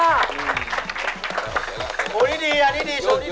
โอ้โฮนี่ดีชุดนี่ดี